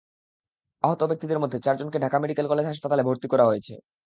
আহত ব্যক্তিদের মধ্যে চারজনকে ঢাকা মেডিকেল কলেজ হাসপাতালে ভর্তি করা হয়েছে।